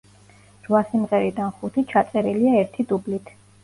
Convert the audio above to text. რვა სიმღერიდან ხუთი ჩაწერილია ერთი დუბლით.